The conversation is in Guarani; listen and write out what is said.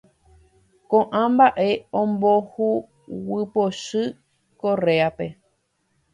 Koʼã mbaʼe ombohuguypochy Correape.